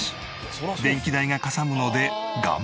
電気代がかさむので我慢。